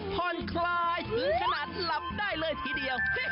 ผ่อนคลายถึงขนาดหลับได้เลยทีเดียว